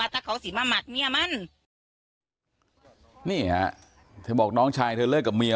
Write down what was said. ถ้าเขาสินมาหมัดเมียมันนี่ฮะเธอบอกน้องชายเธอเลิกกับเมีย